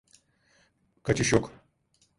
Kaçış yok.